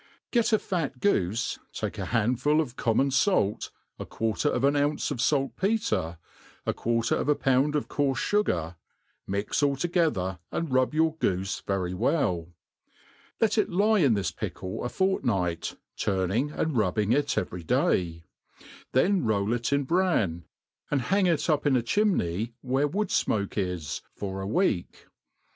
GET a fat goofe, take a handful of common fait, a quarter of an ounce of falt petre, a quarter of a pound of coarfe fugar ; mix all together, and rub your goofe v^ry well ; let it lie ia this pickle a fortnight, turning and rubbing it every day ; then roll it in bran, and hang it up in a chimney where wood fmoke is, for a week.